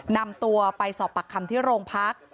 นำตัวไปสอบปากคำที่โรงพัก